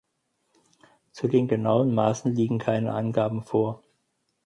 Zu den genauen Maßen liegen keine Angaben vor.